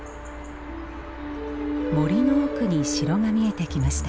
森の奥に城が見えてきました。